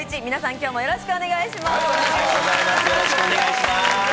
きょうもよろしくお願いします。